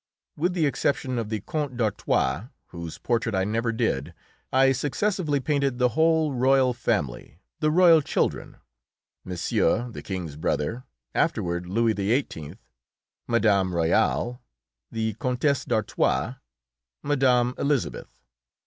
With the exception of the Count d'Artois, whose portrait I never did, I successively painted the whole royal family the royal children; Monsieur, the King's brother, afterward Louis XVIII.; Madame Royale; the Countess d'Artois; Madame Elisabeth.